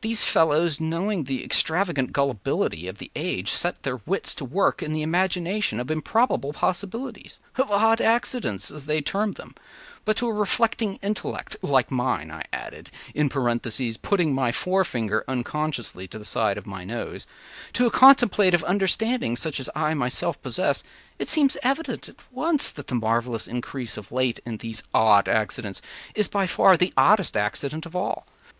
These fellows, knowing the extravagant gullibility of the age, set their wits to work in the imagination of improbable possibilities— of odd accidents, as they term them; but to a reflecting intellect (like mine,” I added, in parenthesis, putting my forefinger unconsciously to the side of my nose,) “to a contemplative understanding such as I myself possess, it seems evident at once that the marvelous increase of late in these ‘odd accidents’ is by far the oddest accident of all.